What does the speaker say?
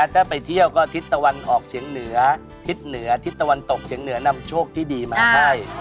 ถ้าไปเที่ยวก็ทิศตะวันออกเฉียงเหนือทิศเหนือทิศตะวันตกเฉียงเหนือนำโชคที่ดีมาให้